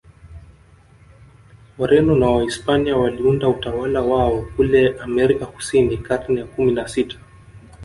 Wareno na Wahispania waliunda utawala wao kule Amerika Kusini karne ya kumi na sita